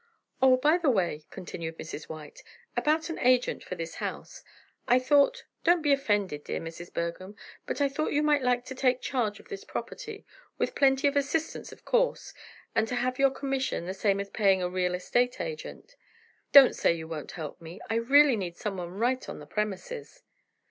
"Oh, by the way," continued Mrs. White, "about an agent for this house, I thought—don't be offended dear Mrs. Bergham—but I thought you might like to take charge of this property, with plenty of assistants of course, and to have your commission, the same as paying a real estate agent. Don't say you won't help me! I really need someone right on the premises."